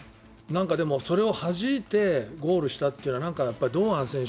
でもそれをはじいてゴールをしたというのは堂安選手